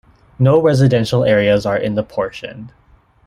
No residential areas are in the portion.